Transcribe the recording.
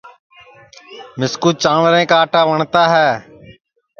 مِسکُو جانٚورے کا آٹا وٹؔتا ہے